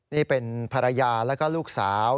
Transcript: นี่เป็นภรรยาแล้วก็ลูกสาว